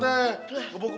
sampai jumpa lagi